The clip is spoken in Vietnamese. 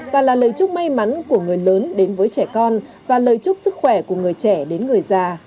và là lời chúc may mắn của người lớn đến với trẻ con và lời chúc sức khỏe của người trẻ đến người già